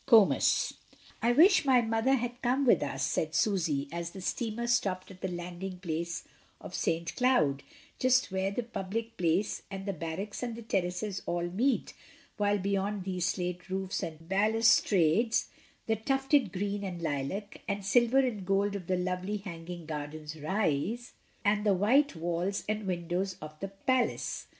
COMUS. "I WISH my mother had come with us," said Susy, as the steamer stopped at the landing place of St Cloud, just where the public place and the bar racks and the terraces all meet, while beyond these slate roofs and balustrades, the tufted green and lilac, and silver and gold of the lovely hanging gardens rise, and the white walls and windows of the palace.